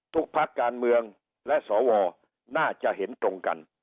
พักการเมืองและสวน่าจะเห็นตรงกัน